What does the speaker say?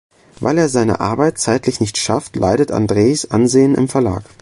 Weil er seine Arbeit zeitlich nicht schafft, leidet Andrejs Ansehen im Verlag.